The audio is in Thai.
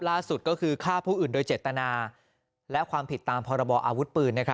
ล่าสุดก็คือฆ่าผู้อื่นโดยเจตนาและความผิดตามพรบออาวุธปืน